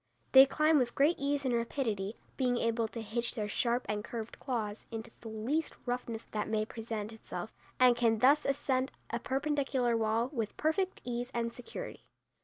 They climb with great ease and rapidity, being able to hitch their sharp and curved claws into the least roughness that may present itself, and can thus ascend a perpendicular wall with perfect ease and security.